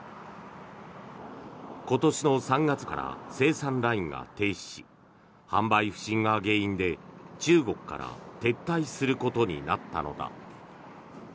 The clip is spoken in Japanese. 今年の３月から生産ラインが停止し販売不振が原因で中国から撤退することになったのだ。